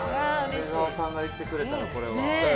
梅沢さんが言ってくれたらこれは。